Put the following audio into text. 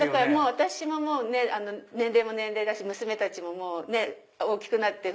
私も年齢も年齢だし娘たちも大きくなって。